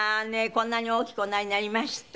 こんなに大きくおなりになりました。